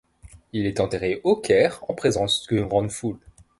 Il est enterré au Caire en présence d'une grande foule.